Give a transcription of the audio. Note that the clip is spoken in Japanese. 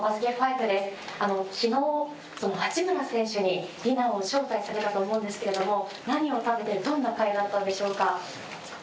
昨日八村選手にディナーを招待されたと思うんですけれども何を食べてどんな会だったのでしょうか？